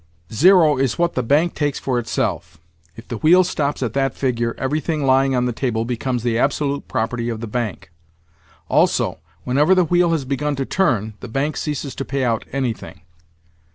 "Zero is what the bank takes for itself. If the wheel stops at that figure, everything lying on the table becomes the absolute property of the bank. Also, whenever the wheel has begun to turn, the bank ceases to pay out anything."